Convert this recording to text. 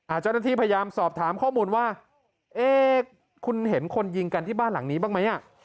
เจ้าหน้าที่พยายามสอบถามข้อมูลว่าเอ๊ะคุณเห็นคนยิงกันที่บ้านหลังนี้บ้างไหมอ่ะ